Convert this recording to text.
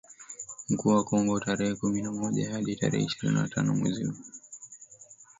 Mkuu wa Kongo tarehe kumi na moja hadi tarehe ishirini na tano mwezi wa